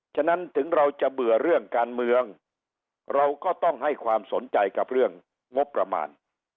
ฉะนั้นถึงเราจะเบื่อเรื่องการเมืองเราก็ต้องให้ความสนใจกับเรื่องงบประมาณ